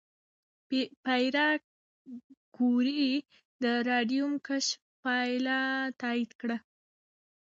پېیر کوري د راډیوم کشف پایله تایید کړه.